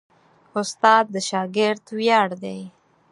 استاد د شاګرد ویاړ دی.